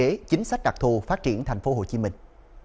đây là một số cơ chế chính sách đặc thù phát triển thành phố hồ chí minh